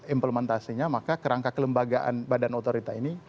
implementasinya maka kerangka kelembagaan badan otorita ini